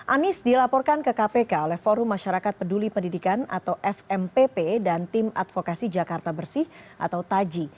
anies dilaporkan ke kpk oleh forum masyarakat peduli pendidikan atau fmpp dan tim advokasi jakarta bersih atau taji